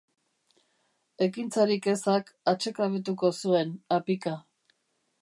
Ekintzarik ezak atsekabetuko zuen, apika.